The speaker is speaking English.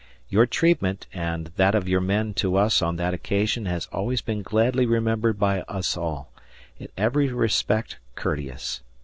Your treatment and [that of] your men to us on that occasion has always been gladly remembered by us all in every respect courteous.